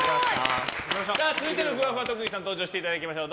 続いてのふわふわ特技さん登場していただきましょう。